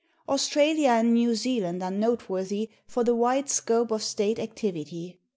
Australia and New Zealand are noteworthy for the wide scope of state activity.